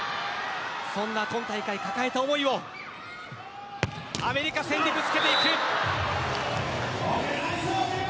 そんな今大会、抱えた思いをアメリカ戦でぶつけていく。